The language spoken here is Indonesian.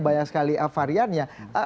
banyak sekali varian ya